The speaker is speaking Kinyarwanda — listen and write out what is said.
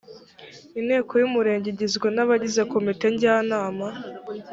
inteko y’umurenge igizwe n abagize komite njyanama